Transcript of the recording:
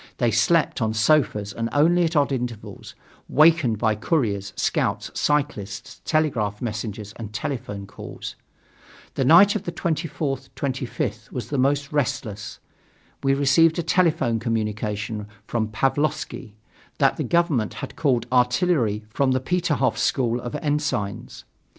They slept on sofas and only at odd intervals, wakened by couriers, scouts, cyclists, telegraph messengers and telephone calls. The night of the 24th 25th was the most restless. We received a telephone communication from Pavlovsky that the government had called artillery from the Peterhof School of Ensigns.